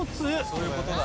・そういうことだ・・